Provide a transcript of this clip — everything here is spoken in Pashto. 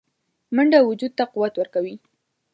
منډه وجود ته قوت ورکوي